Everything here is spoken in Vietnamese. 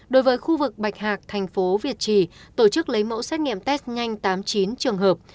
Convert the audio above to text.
đối với khu vực bạch hạc thành phố việt trì tổ chức lấy mẫu xét nghiệm test nhanh tám mươi chín trường hợp